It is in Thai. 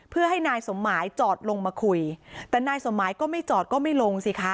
เพื่อให้นายสมหมายจอดลงมาคุยแต่นายสมหมายก็ไม่จอดก็ไม่ลงสิคะ